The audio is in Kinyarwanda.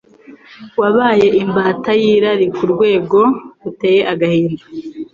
wabaye imbata y’irari ku rwego ruteye agahinda.